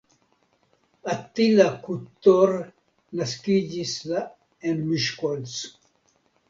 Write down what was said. Attila Kuttor naskiĝis la en Miskolc.